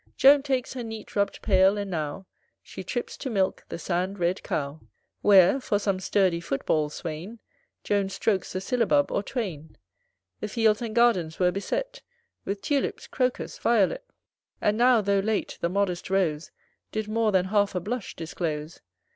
Joan takes her neat rubb'd pail, and now, She trips to milk the sand red cow; Where, for some sturdy foot ball swain, Joan strokes a syllabub or twain. The fields and gardens were beset With tulips, crocus, violet; And now, though late, the modest rose Did more than half a blush disclose.